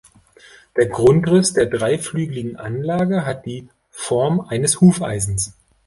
Der Grundriss der dreiflügeligen Anlage hat die Form eines Hufeisens.